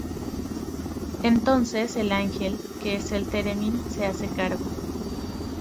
Entonces el ángel, que es el Theremin, se hace cargo.